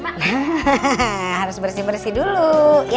hahaha harus bersih bersih dulu